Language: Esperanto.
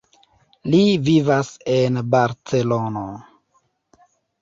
Li vivas en Barcelono.